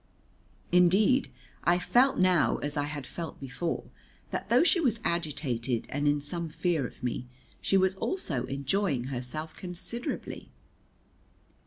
Indeed I felt now, as I had felt before, that though she was agitated and in some fear of me, she was also enjoying herself considerably.